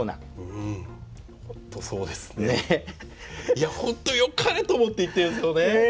いや本当よかれと思って言ってるんですけどね。